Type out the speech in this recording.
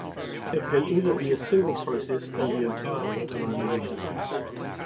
It can be either a single process or the entire organization.